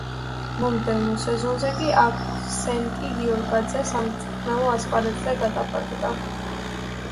მომდევნო სეზონზე კი აქვსენტი გიორგაძე სამწვრთნელო ასპარეზზე გადაბარგდა.